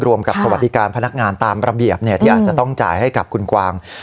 รวมกับสวัสดิการพนักงานตามระเบียบที่อาจจะต้องจ่ายให้กับคุณกวาง